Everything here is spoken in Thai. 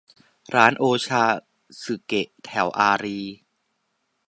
ร้านโอชาซึเกะแถวอารีย์